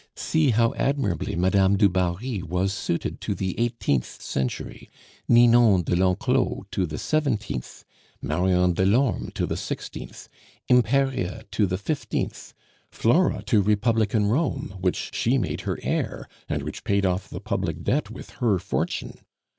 See how admirably Madame du Barry was suited to the eighteenth century, Ninon de l'Enclos to the seventeenth, Marion Delorme to the sixteenth, Imperia to the fifteenth, Flora to Republican Rome, which she made her heir, and which paid off the public debt with her fortune!